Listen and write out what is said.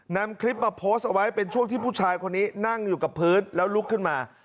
นำคลิปมาโพสต์เอาไว้เป็นช่วงที่ผู้ชายคนนี้นั่งอยู่กับพื้นแล้วลุกขึ้นมา